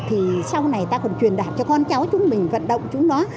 thì sau này ta còn truyền đạt cho con cháu chúng mình vận động chúng nó